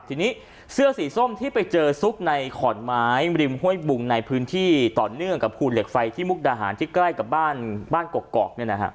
ทีนี้เสื้อสีส้มที่ไปเจอซุกในขอนไม้ริมห้วยบุงในพื้นที่ต่อเนื่องกับภูเหล็กไฟที่มุกดาหารที่ใกล้กับบ้านกกอก